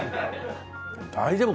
大丈夫？